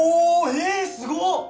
えっすごっ！